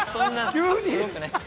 急に。